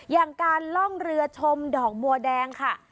อย่างการล่องเรือชมดอกบัวแดงค่ะ